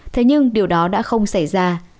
thế nhưng điều đó đã không xảy ra